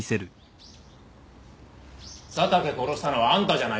佐竹殺したのはあんたじゃないのか？